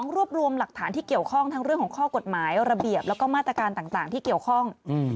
รวบรวมหลักฐานที่เกี่ยวข้องทั้งเรื่องของข้อกฎหมายระเบียบแล้วก็มาตรการต่างที่เกี่ยวข้อง